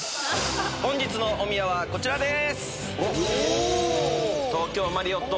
本日のおみやはこちらです。